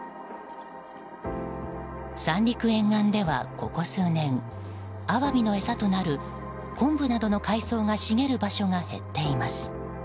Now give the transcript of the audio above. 三陸沿岸ではここ数年アワビの餌となる昆布などの海藻が茂る場所が減っています。